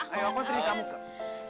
aku anterin kamu kak